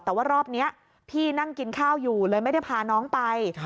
แต่ว่ารอบนี้พี่นั่งกินข้าวอยู่เลยไม่ได้พาน้องไป